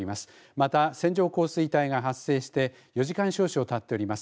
また、線状降水帯が発生して４時間少々たっております。